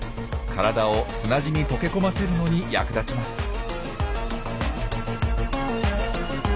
体を砂地に溶け込ませるのに役立ちます。